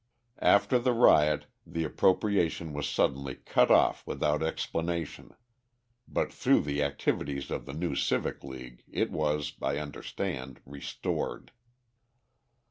After the riot the appropriation was suddenly cut off without explanation, but through the activities of the new Civic League, it was, I understand, restored.